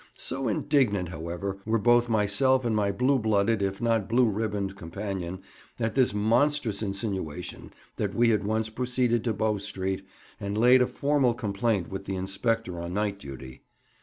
So indignant, however, were both myself and my blue blooded if not blue ribboned companion at this monstrous insinuation that we at once proceeded to Bow Street, and laid a formal complaint with the inspector on night duty.